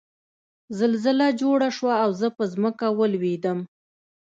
زلزله جوړه شوه او زه په ځمکه ولوېدم